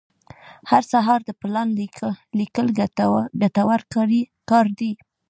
هر سهار د پلان لیکل ګټور کار دی.